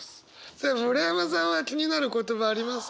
さあ村山さんは気になる言葉ありますか？